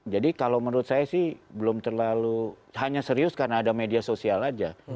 jadi kalau menurut saya sih belum terlalu hanya serius karena ada media sosial aja